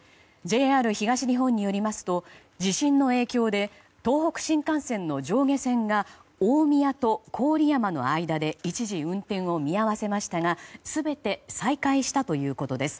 ＪＲ東日本によりますと地震の影響で東北新幹線の上下線が大宮と郡山の間で一時運転を見合わせましたが全て再開したということです。